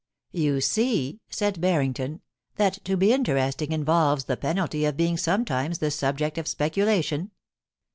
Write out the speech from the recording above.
*You see,' said Banington, *that to be interesting in volves the penalty of being sometimes the subject of speculation.'